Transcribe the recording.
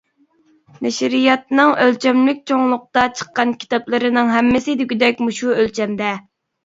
نەشرىياتنىڭ ئۆلچەملىك چوڭلۇقتا چىققان كىتابلىرىنىڭ ھەممىسى دېگۈدەك مۇشۇ ئۆلچەمدە.